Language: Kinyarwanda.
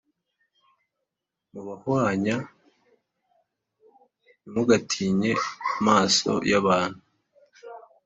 Mubahwanya ntimugatinye amaso y abantu